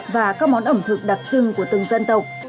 và các món ẩm thực đặc trưng của từng dân tộc